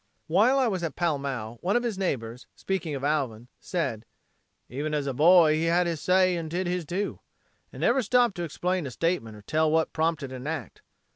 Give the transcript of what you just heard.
While I was at Pall Mall, one of his neighbors, speaking of Alvin, said: "Even as a boy he had his say and did his do, and never stopped to explain a statement or tell what prompted an act.